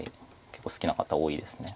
結構好きな方多いです。